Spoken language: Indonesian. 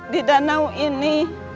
di danau ini